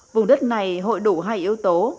vùng đất này hội đủ hai yếu tố